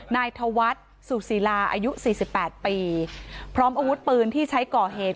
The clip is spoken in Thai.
นายธวัฒน์สุศีราอายุ๔๘ปีพร้อมอาวุธปืนที่ใช้ก่อเหตุ